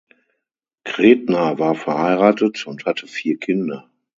Credner war verheiratet und hatte vier Kinder.